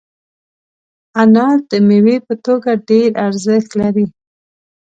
انار د میوې په توګه ډېر ارزښت لري.